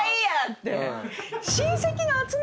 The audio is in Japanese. って。